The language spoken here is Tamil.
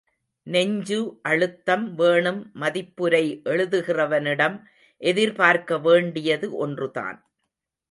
நெஞ்சு அழுத்தம் வேணும் மதிப்புரை எழுதுகிறவனிடம் எதிர்பார்க்க வேண்டியது ஒன்றுதான்.